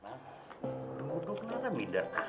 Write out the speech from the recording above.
udah udah udah kenapa minder